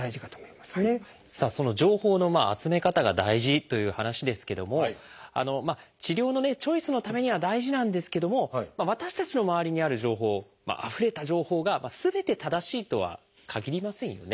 その情報の集め方が大事という話ですけども治療のチョイスのためには大事なんですけども私たちの周りにある情報あふれた情報がすべて正しいとはかぎりませんよね。